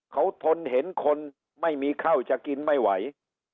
เขาทนเห็นคนไม่มีข้าวจะกินไม่ไหว